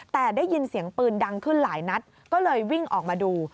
แต่ได้ยินเสียงปืนดังขึ้นหลายนัดก็เลยวิ่งออกมาดู